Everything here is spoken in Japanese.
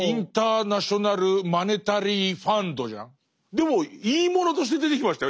でもいいものとして出てきましたよ。